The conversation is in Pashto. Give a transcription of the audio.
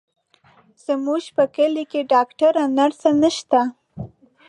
زموږ په کلي کې ډاکتره، نرسه نشته،